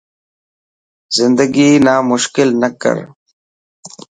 زندگي نا موشڪل نه ڪر.